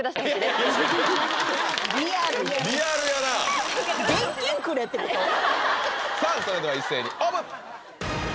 リアルさあそれでは一斉にオープン！